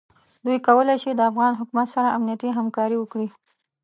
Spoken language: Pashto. دوی کولای شي د افغان حکومت سره امنیتي همکاري وکړي.